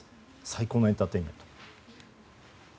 最高のエンターテインメント。